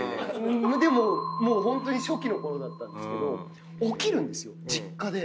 でももうホントに初期のころだったんですけど起きるんですよ実家で。